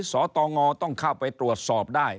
สตงต้องเข้าไปตรวจสอบได้